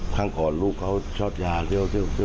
ทางกรลูกเขาชฟ้ายาเร็ว